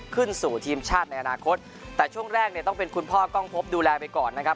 ขึ้นสู่ทีมชาติในอนาคตแต่ช่วงแรกเนี่ยต้องเป็นคุณพ่อกล้องพบดูแลไปก่อนนะครับ